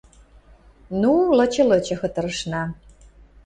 Ну, лычы-лычы кытырышна...